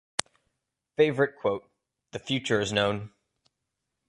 Favorite quote: The future is known.